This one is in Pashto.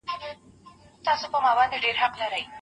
درې ملګري